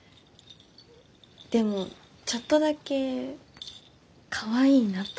でもちょっとだけかわいいなと。